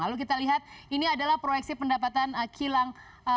lalu kita lihat ini adalah proyeksi pendapatan kilang